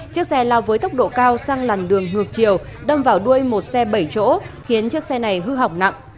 chiếc xe lao với tốc độ cao sang làn đường ngược chiều đâm vào đuôi một xe bảy chỗ khiến chiếc xe này hư hỏng nặng